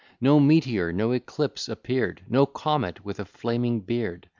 No meteor, no eclipse appear'd! No comet with a flaming beard!